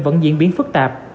vẫn diễn biến phức tạp